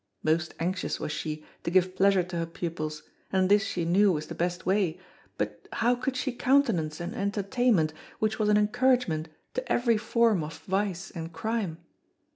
Most anxious was she to give pleasure to her pupils, and this she knew was the best way, but how could she countenance an entertainment which was an encouragement to every form of vice and crime?